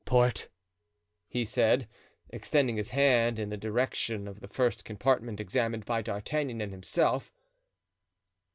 "Port," he said, extending his hand in the direction of the first compartment examined by D'Artagnan and himself.